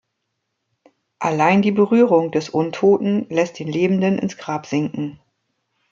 Allein die Berührung des Untoten lässt den Lebenden ins Grab sinken.